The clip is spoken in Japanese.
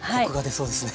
そうですね。